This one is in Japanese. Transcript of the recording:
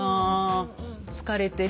「疲れてる？」